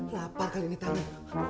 coba tawaran tapi ngerti jauh gitu